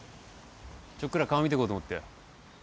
ちょっくら顔見てこうと思ってよ。